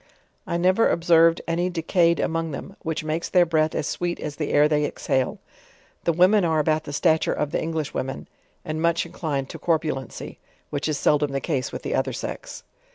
I never observed any decayed among them, which makes their breath as sweet as the air they exale. The women are about the stature of the English . women, and much inclined, to corpulency, which is seldom the case with the other se.#.